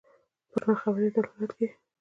پر ناخبرۍ دلالت کوي.